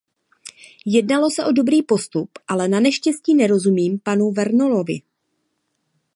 Jednalo se o dobrý postup, ale naneštěstí nerozumím panu Vernolovi.